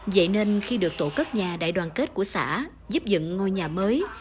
vậy nên khi được tổ cất nhà đại đoàn kết của xã giúp dựng ngôi nhà mới